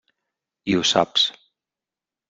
I ho saps.